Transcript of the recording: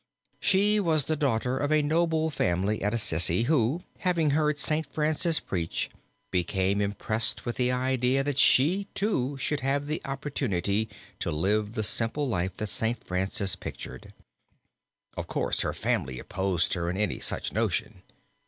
She was the daughter of a noble family at Assisi, who, having heard St. Francis preach, became impressed with the idea that she too should have the opportunity to live the simple life that St. Francis pictured. Of course her family opposed her in any such notion.